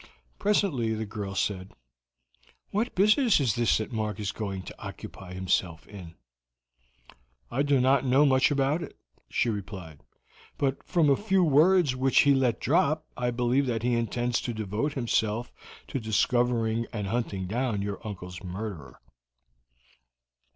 Presently the girl said: "What business is this that Mark is going to occupy himself in?" "I do not know much about it," she replied. "But from a few words which he let drop I believe that he intends to devote himself to discovering and hunting down your uncle's murderer."